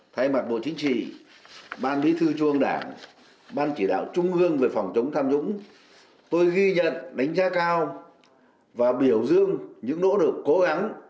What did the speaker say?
thay mặt bộ chính trị ban bí thư trung ương đảng ban chỉ đạo trung ương về phòng chống tham nhũng tôi ghi nhận đánh giá cao và biểu dương những nỗ lực cố gắng